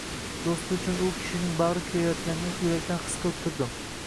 Do’sti uchun u kishining bag’ri kuyayotganini yurakdan his qilib turdim.